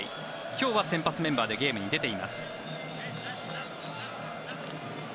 今日は先発メンバーでゲームに出ています。